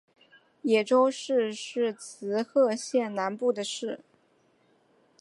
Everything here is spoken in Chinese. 野洲市是滋贺县南部的市。